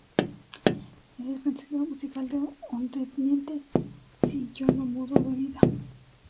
En el Cancionero musical de Onteniente: "Si yo no mudo de vida".